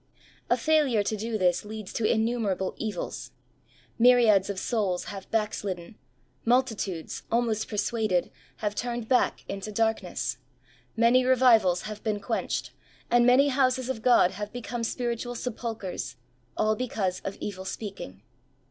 A failure to do this leads to innumerable evils. Myriads of souls have back slidden; multitudes, almost persuaded, have turned back into darkness ; many revivals have been quenched ; and many houses of God have become spiritual sepulchres, all because of evil speaking.